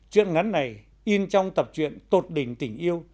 chuyện ngắn này in trong tập truyện tột đỉnh tình yêu